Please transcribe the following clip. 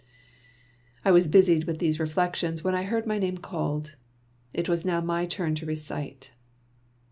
I was busied with these reflections when I heard my name called. It was now my turn to recite.